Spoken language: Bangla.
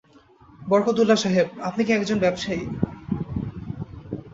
বরকতউল্লাহ সাহেব, আপনি কি এক জন ব্যবসায়ী?